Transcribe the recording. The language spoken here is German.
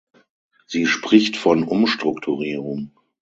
Sie spricht von Umstrukturierung.